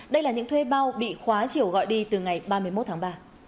đây là những thuê bao bị khóa chiều gọi đi từ ngày ba mươi một tháng ba